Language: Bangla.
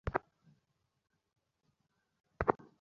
বেলা বাড়ার সঙ্গে সঙ্গে আবার সহিংসতায় ভোটারদের মনে আতঙ্ক ছড়িয়ে পড়ে।